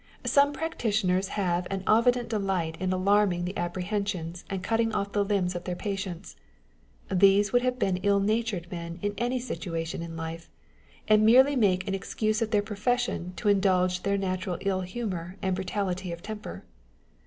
Some practitioners have an evident delight in alarming the apprehensions and cutting off the limbs of their patients : these would have been ill natured men in any situation in life, and merely make an excuse of their profession to indulge their natural ill humour and brutality of temper.